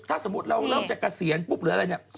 ถ้าสมมุติเราร่วมจะกระเสียนปุ๊บหรืออะไรอย่างนี้